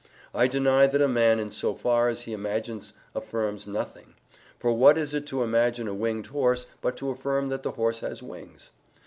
I deny that a man in so far as he imagines [percipit] affirms nothing. For what is it to imagine a winged horse but to affirm that the horse [that horse, namely] has wings?